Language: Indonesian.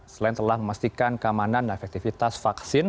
selain telah memastikan keamanan dan efektivitas vaksin